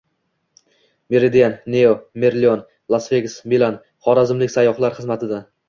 “Meridian”, “Neo”, “Merlion”, “Las Vegas”, “Milan” xorazmlik sayyohlar xizmatida